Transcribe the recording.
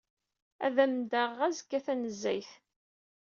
Ad am-d-ɣreɣ azekka tanezzayt.